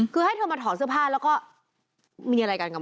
คือให้เธอมาถอดเสื้อผ้าแล้วก็มีอะไรกันกับ